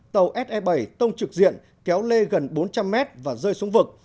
tàu se bảy tông trực diện kéo lê gần bốn trăm linh mét và rơi xuống vực